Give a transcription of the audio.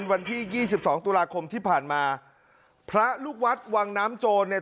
วันที่ยี่สิบสองตุลาคมที่ผ่านมาพระลูกวัดวังน้ำโจรเนี่ย